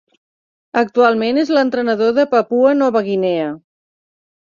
Actualment és l'entrenador de Papua Nova Guinea.